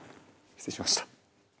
失礼しました。